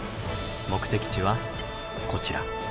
目的地はこちら。